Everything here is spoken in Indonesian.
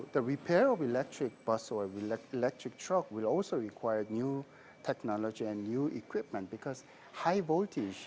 karena itu kita juga membutuhkan banyak usaha untuk mempraktekan teknologi di pasar dan juga pembangunan tubuh